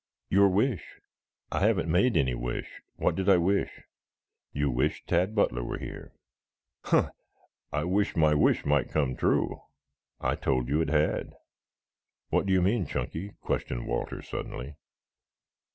"Your wish." "I haven't made any wish. What did I wish?" "You wished Tad Butler were here." "Huh! I wish my wish might come true." "I told you it had." "What do you mean, Chunky?" questioned Walter suddenly.